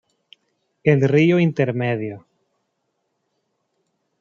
El río intermedio."".